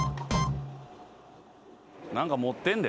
何か持ってんで。